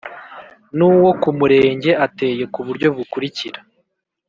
n uwo ku Murenge ateye ku buryo bukurikira